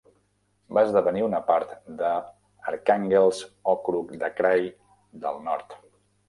Va esdevenir una part de Arkhangelsk Okrug de Krai del Nord.